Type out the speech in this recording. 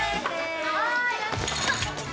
はい！